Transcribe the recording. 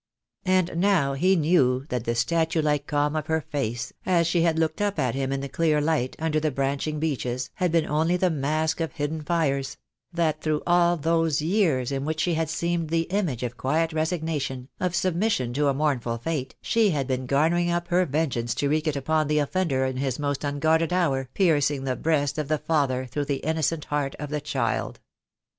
And now he knew that the statue like calm of her face, as she had looked up at him in the clear light, under the branching beeches, had been only the mask of hidden fires — that through all those years in which she had seemed the image of quiet re signation, of submission to a mournful fate, she had been garnering up her vengeance to wreak it upon the offender in his most unguarded hour, piercing the breast of the father through the innocent heart of the child.